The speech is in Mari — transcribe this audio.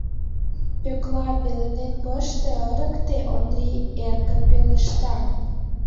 Пӧкла, пеленет пыште, ырыкте, — Ондрий эркын пелешта.